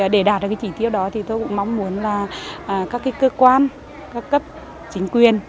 để đạt được chỉ tiêu đó tôi cũng mong muốn các cơ quan các cấp chính quyền